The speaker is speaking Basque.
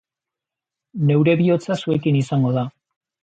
Neure bihotza zuekin izango da.